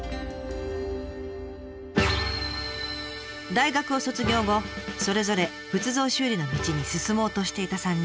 大学を卒業後それぞれ仏像修理の道に進もうとしていた３人。